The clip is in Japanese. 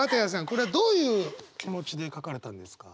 これはどういう気持ちで書かれたんですか？